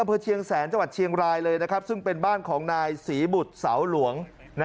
เชียงแสนจังหวัดเชียงรายเลยซึ่งเป็นบ้านของนายศรีบุตรเสาหลวง